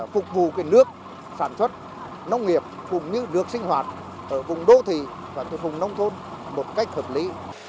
phục vụ nước sản xuất nông nghiệp cũng như nước sinh hoạt ở vùng đô thị và vùng nông thôn một cách hợp lý